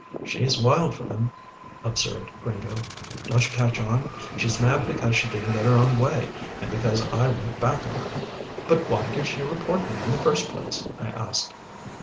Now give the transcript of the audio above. "She's wild for them," observed Gringo. "Don't you catch on? She's mad because she didn't get her own way, and because I went back on her." "But why did she report me, in the first place?" I asked.